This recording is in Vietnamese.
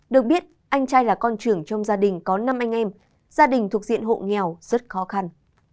được biết anh trai là con trưởng trong gia đình có năm anh em gia đình thuộc diện hộ nghèo rất khó khăn